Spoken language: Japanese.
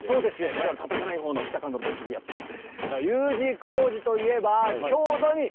我々たたかないほうの北関東の栃木でやってます。